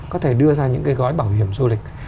có thể đưa ra những cái gói bảo hiểm du lịch